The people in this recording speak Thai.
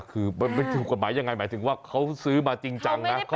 กับกฎหมายหมายถึงว่าเขาซื้อมาจริงจังนะ